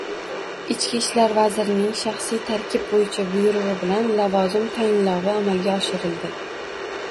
Ichki ishlar vazirining shaxsiy tarkib bo‘yicha buyrug‘i bilan lavozim tayinlovi amalga oshirildi